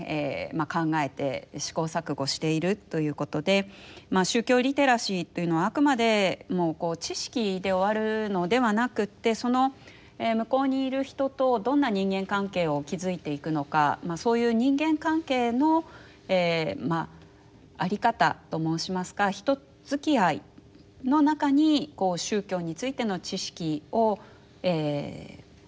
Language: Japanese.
考えて試行錯誤しているということで宗教リテラシーというのはあくまで知識で終わるのではなくってその向こうにいる人とどんな人間関係を築いていくのかそういう人間関係の在り方と申しますか人づきあいの中に宗教についての知識をうまく入れ込んでいく。